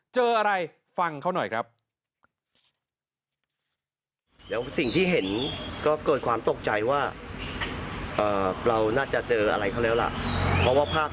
เจออะไรฟังเขาหน่อยครับ